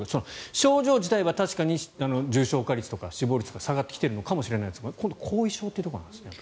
症状自体は確かに重症化率とか死亡率とか下がってきてはいますが今度後遺症というところなんです。